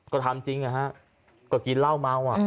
ก็ทำจริงนะฮะก็กินเหล้าเมา